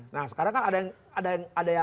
nah sekarang kan ada yang